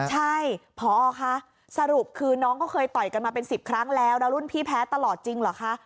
ใช่พอคะสรุปคือน้องก็เคยต่อยกันมาเป็น๑๐ครั้งแล้วแล้วรุ่นพี่แพ้ตลอดจริงเหรอคะ